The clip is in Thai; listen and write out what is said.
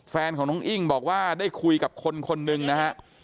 แฟนของน้องอิ้งบอกว่าได้คุยกับคนคนหนึ่งนะฮะ